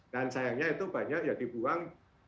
dan sayangnya itu banyak ya dibuang